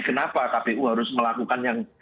kenapa kpu harus melakukan yang